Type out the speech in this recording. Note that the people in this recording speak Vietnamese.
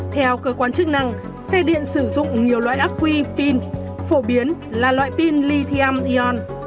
theo cơ quan chức năng xe điện sử dụng nhiều loại ác quy pin phổ biến là loại pin lithium ion